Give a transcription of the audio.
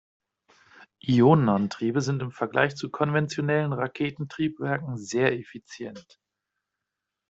Ionenantriebe sind im Vergleich zu konventionellen Raketentriebwerken sehr effizient.